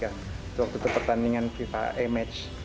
itu waktu itu pertandingan fifa e match